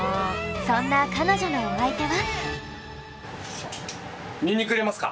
そんな彼女のお相手は？